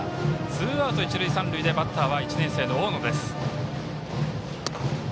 ツーアウト、一塁三塁でバッターは１年生の大野です。